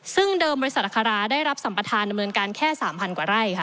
ซึ่งเดิมบริษัทอัคราได้รับสัมประธานดำเนินการแค่๓๐๐กว่าไร่ค่ะ